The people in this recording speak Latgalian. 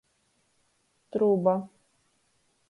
Truba.